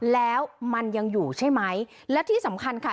แล้วมันยังอยู่ใช่ไหมและที่สำคัญค่ะ